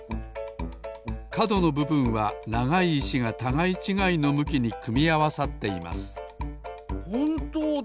かどのぶぶんはながいいしがたがいちがいのむきにくみあわさっていますほんとうだ。